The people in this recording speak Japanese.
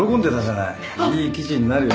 いい記事になるよ。